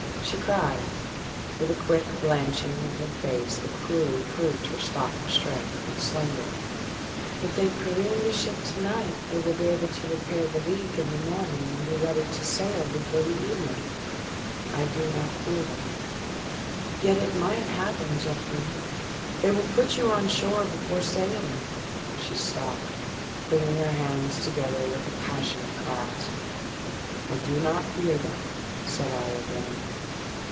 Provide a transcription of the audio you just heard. She cried, with a quick blanching of her face that cruelly proved her stock of strength but slender, "If they careen the ship to night they will be able to repair the leak in the morning, and be ready to sail before the eveninsf." " I do not fear that." " Yet it might happen, Geoffrey ! They will put you on shore before sailing " She stopped, bringing her hands together with ix passionate clasp. " I do not fear that," said I again.